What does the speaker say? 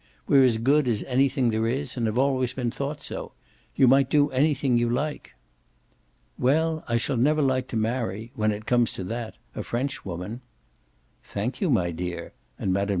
We're as good as anything there is and have always been thought so. You might do anything you like." "Well, I shall never like to marry when it comes to that a Frenchwoman." "Thank you, my dear" and Mme.